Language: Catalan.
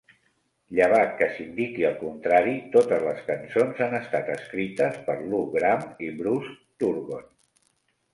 Llevat que s'indiqui el contrari, totes les cançons han estat escrites per Lou Gramm i Bruce Turgon.